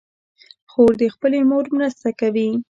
خور د خپلې مور مرسته کوي.